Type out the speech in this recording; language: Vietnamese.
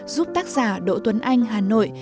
giúp tác giả đỗ tuấn anh hà nội